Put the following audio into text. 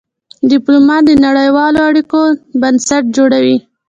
ډيپلومات د نړېوالو اړیکو بنسټ جوړوي.